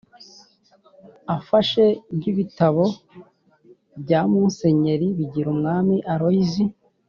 ufashe nk’ibitabo bya musenyeri bigirumwami aloys